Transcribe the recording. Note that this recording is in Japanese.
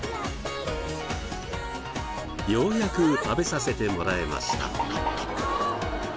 ようやく食べさせてもらえました。